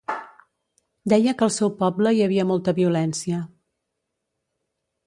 Deia que al seu poble hi havia molta violència.